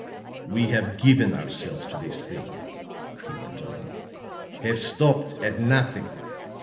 "We have given ourselves to this thing," he went on, "have stopped at nothing.